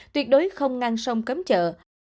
tuyệt đối không ngăn sông cấm trợ